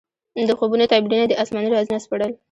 د خوبونو تعبیرونه دې اسماني رازونه سپړل.